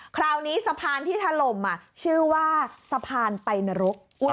คราวนี้สะพานที่ถล่มชื่อว่าสะพานไปนรก